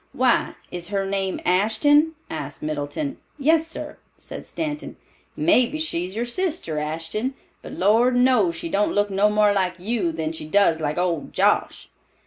"Why, is her name Ashton?" asked Middleton. "Yes, sir," said Stanton. "Mebbe she's your sister, Ashton. But Lord knows she don't look no more like you than she does like old Josh."